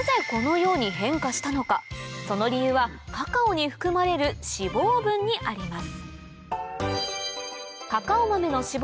その理由はカカオに含まれる脂肪分にあります